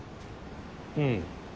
うん。